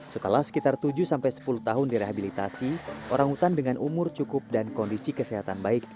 setelah sekitar tujuh sampai sepuluh tahun direhabilitasi orang utan dengan umur cukup dan kondisi kesehatan baik